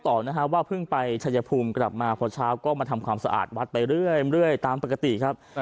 ต่อนะฮะว่าเพิ่งไปชัยภูมิกลับมาพอเช้าก็มาทำความสะอาดวัดไปเรื่อยตามปกติครับ